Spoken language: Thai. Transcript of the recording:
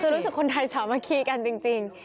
คือรู้สึกคนไทยสามัคคีกันจริง